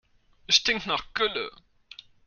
Es stinkt nach Gülle.